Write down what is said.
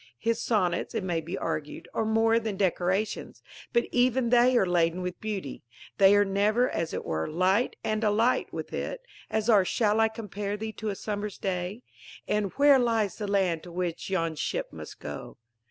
His sonnets, it may be argued, are more than decorations. But even they are laden with beauty; they are never, as it were, light and alight with it, as are Shall I compare thee to a summer's day? and _Where lies the land to which yon ship must go?